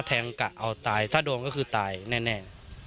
กะเอาตายถ้าโดนก็คือตายแน่